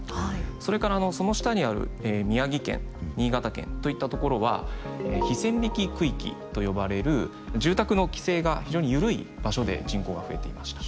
それからその下にある宮城県新潟県といったところは非線引き区域と呼ばれる住宅の規制が非常に緩い場所で人口が増えていました。